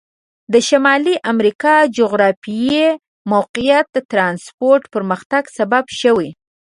شمالي امریکا جغرافیایي موقعیت د ترانسپورت پرمختګ سبب شوي.